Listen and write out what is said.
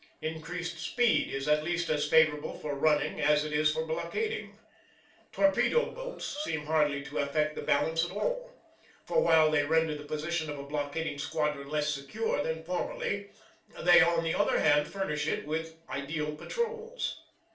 Increased speed is at least as favourable for running as it is for blockading. Torpedo boats seem hardly to affect the balance at all. For while they render the position of a blockading squadron less secure than formerly, they on the other hand furnish it with ideal patrols.